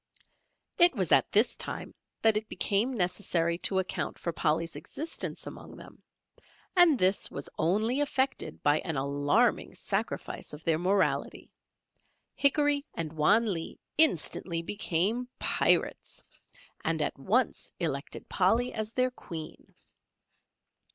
It was at this time that it became necessary to account for Polly's existence among them, and this was only effected by an alarming sacrifice of their morality; Hickory and Wan Lee instantly became Pirates, and at once elected Polly as their Queen.